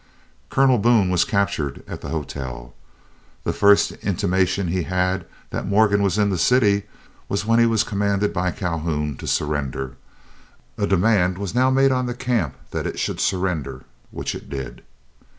Colonel Boone was captured at the hotel. The first intimation he had that Morgan was in the city was when he was commanded by Calhoun to surrender. A demand was now made on the camp that it should surrender, which it did.